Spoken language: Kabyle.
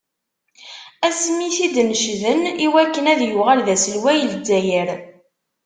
Asmi i t-id-necden i wakken ad yuɣal d aselway n Lezzayer.